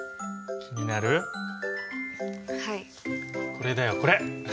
これだよこれ！